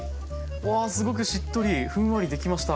わあすごくしっとりふんわりできました。